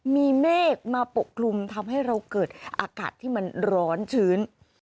มีเมฆมาปกคลุมทำให้เราเกิดอากาศที่มันร้อนชื้น